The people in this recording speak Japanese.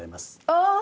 ああ！